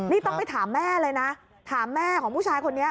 นี่ต้องไปถามแม่เลยนะถามแม่ของผู้ชายคนนี้